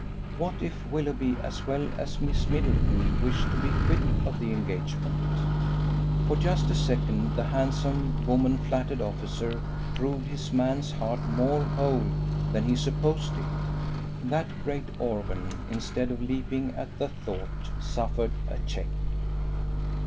What if Willoughby as well as Miss Middleton wished to be quit of the engagement? ... For just a second, the handsome, woman flattered officer proved his man's heart more whole than he supposed it. That great organ, instead of leaping at the thought, suffered a check.